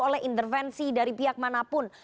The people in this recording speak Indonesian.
oleh intervensi dari pihak manapun